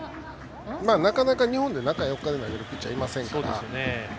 なかなか、日本で中４日で投げるピッチャーいませんから。